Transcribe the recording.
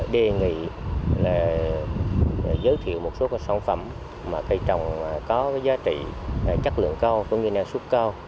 chúng tôi đề nghị giới thiệu một số sản phẩm mà cây trồng có giá trị chất lượng cao cũng như năng suất cao